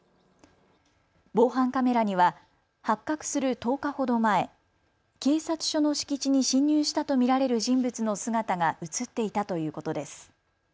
防犯カメラには発覚する１０日ほど前、警察署の敷地に侵入したと見られる人物の姿が写っていたということです。